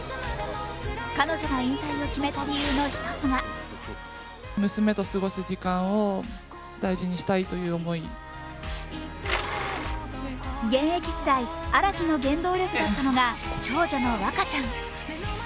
彼女が引退を決めた理由の一つが現役時代、荒木の原動力だったのが長女の和香ちゃん